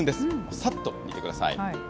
さっと煮てください。